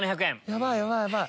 ヤバいヤバいヤバい。